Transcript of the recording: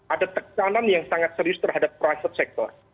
ada tekanan yang sangat serius terhadap private sector